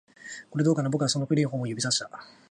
これ、どうかな？僕はその古い本を指差した